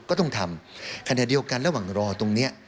ก็ต้องทำขณะเดียวกันระหว่างรอตรงนี้